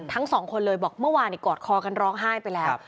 ทั้งสองคนเลยบอกเมื่อวานกอดคอกันร้องไห้ไปแล้ว